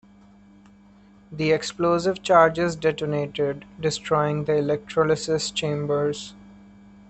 The explosive charges detonated, destroying the electrolysis chambers.